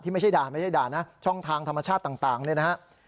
ที่ไม่ใช่ด่านนะช่องทางธรรมชาติต่างนี่นะฮะ